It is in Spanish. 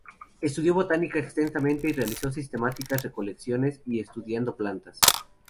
Estudió botánica extensamente, y realizó sistemáticas recolecciones y estudiando plantas.